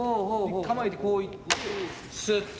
構えてこうすっと。